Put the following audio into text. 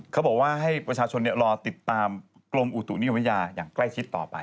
เขาบอกว่าให้ประชาชนรอติดตามกรมอุตุนิยมวิทยาอย่างใกล้ชิดต่อไป